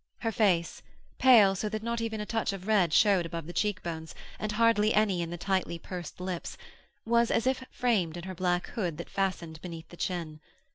Her face, pale so that not even a touch of red showed above the cheekbones and hardly any in the tightly pursed lips, was as if framed in her black hood that fastened beneath the chin.